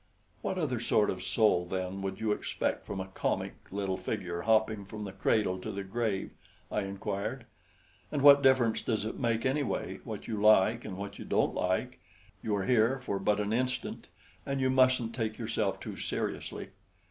"What other sort of soul, then, would you expect from `a comic little figure hopping from the cradle to the grave'?" I inquired. "And what difference does it make, anyway, what you like and what you don't like? You are here for but an instant, and you mustn't take yourself too seriously."